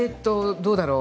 どうだろう。